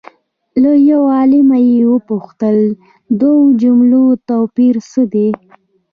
له یو عالمه یې وپوښتل د دوو جملو توپیر څه دی؟